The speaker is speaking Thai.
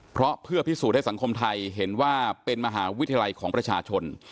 เพราะเพื่อพิสูจน์ให้สังคมไทยเห็นว่าเป็นมหาวิทยาลัยของประชาชน